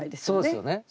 そうですよね。